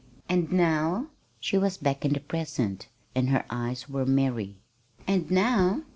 "And now?" She was back in the present, and her eyes were merry. "And now?